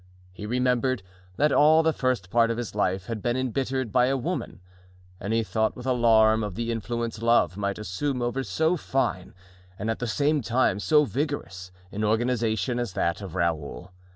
He remembered that all the first part of his life had been embittered by a woman and he thought with alarm of the influence love might assume over so fine, and at the same time so vigorous an organization as that of Raoul.